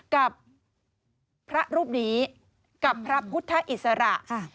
กับพระรูปนี้กับพระพุทธอิสระ